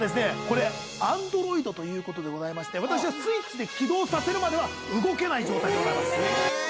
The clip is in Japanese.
これアンドロイドということで私がスイッチで起動させるまでは動けない状態でございます。